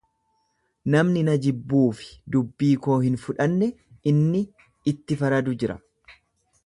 Namni na jibbúu fi dubbii koo hin fudhanne inni itti faradu jira.